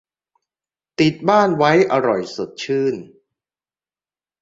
ติดบ้านไว้อร่อยสดชื่น